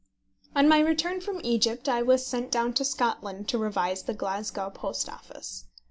On my return from Egypt I was sent down to Scotland to revise the Glasgow Post Office.